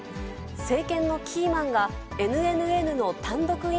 政権のキーマンがＮＮＮの単独イ